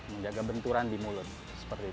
menjaga benturan di mulut